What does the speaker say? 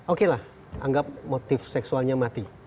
oke lah anggap motif seksualnya mati